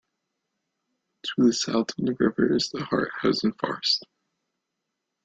To the south of the river is the Harthausen Forest.